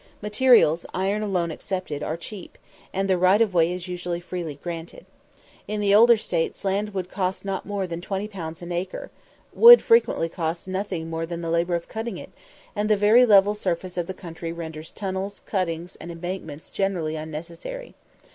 Materials, iron alone excepted, are cheap, and the right of way is usually freely granted. In the older States land would not cost more than 20_l._ an acre. Wood frequently costs nothing more than the labour of cutting it, and the very level surface of the country renders tunnels, cuttings, and embankments generally unnecessary.